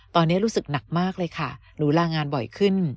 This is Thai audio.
ตอนนี้รู้สึกหนักมากเลยค่ะหนูลางานบ่อยขึ้น